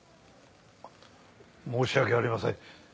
申し訳ありません。